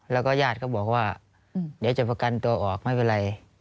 แล้วก็ญาติก็บอกว่าเดี๋ยวจะประกันตัวออกไม่เป็นไร